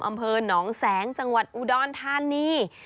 อำเภอหนองแสงจังหวัดอูดอนท่านนี่